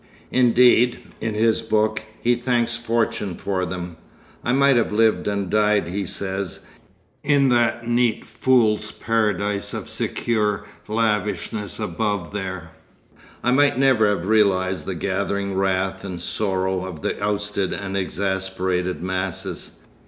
Indeed, in his book, he thanks fortune for them. 'I might have lived and died,' he says, 'in that neat fool's paradise of secure lavishness above there. I might never have realised the gathering wrath and sorrow of the ousted and exasperated masses.